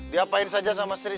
diapain saja sama sri